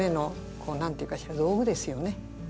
こう何て言うかしら道具ですよね。